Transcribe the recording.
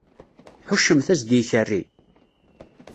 Tḥuccemt-as-d i ikerri?